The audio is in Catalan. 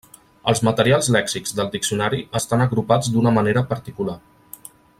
Els materials lèxics del diccionari estan agrupats d'una manera particular.